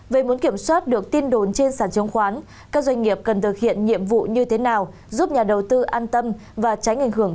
về muốn kiểm soát được tin đồn trên sản chứng khoán các doanh nghiệp cần thực hiện nhiệm vụ như thế nào giúp nhà đầu tư an tâm và tránh ảnh hưởng